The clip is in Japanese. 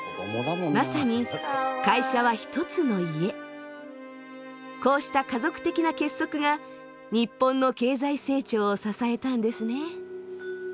まさにこうした家族的な結束が日本の経済成長を支えたんですね。